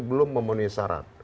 belum memenuhi syarat